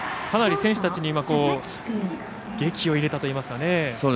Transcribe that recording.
かなり選手たちにげきを入れたといいますか。